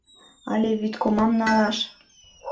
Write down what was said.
— Але вӱдкомам налаш.